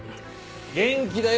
元気だよ